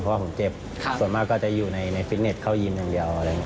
เพราะว่าผมเจ็บส่วนมากก็จะอยู่ในฟิกเน็ตเข้ายินเดียว